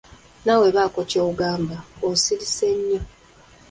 Nawe baako ky'ogamba osirise nnyo.